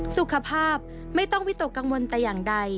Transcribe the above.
สุขภาพไม่ต้องวิตกกังวลแต่อย่างใด